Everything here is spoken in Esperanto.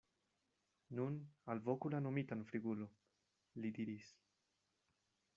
Nun alvoku la nomitan Frigulo, li diris.